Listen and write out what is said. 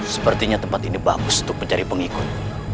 sepertinya tempat ini bagus untuk mencari pengikut